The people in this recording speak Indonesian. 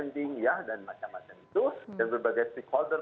dan berbagai stakeholder